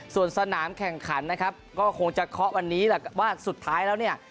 ส่วนสนามแข่งขันนะครับก็คงจะเคาะวันนี้แหละว่าสุดท้ายแล้วเนี่ย